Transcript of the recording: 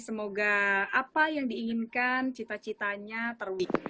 semoga apa yang diinginkan cita citanya terwik